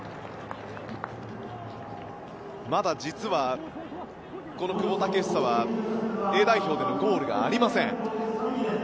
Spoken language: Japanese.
まだ実は、久保建英はＡ代表でのゴールがありません。